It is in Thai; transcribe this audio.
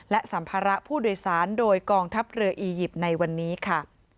และสัมภาระผู้โดยสารโดยกองทัพเรืออียิปต์ในวันนี้ค่ะ